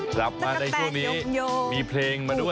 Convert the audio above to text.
กลับมาในช่วงนี้มีเพลงมาด้วย